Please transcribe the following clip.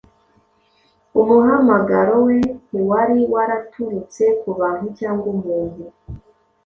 Umuhamagaro we ntiwari waraturutse ku “bantu cyangwa umuntu,